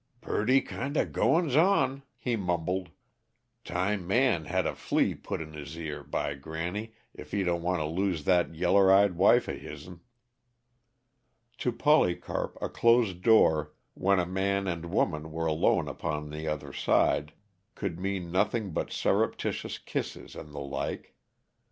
"Purty kinda goings on!" he mumbled. "Time Man had a flea put in 'is ear, by granny, if he don't want to lose that yeller eyed wife of hisn." To Polycarp, a closed door when a man and woman were alone upon the other side could mean nothing but surreptitious kisses and the like.